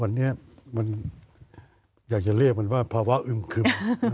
วันนี้มันอยากจะเรียกมันว่าภาวะอึมคึบ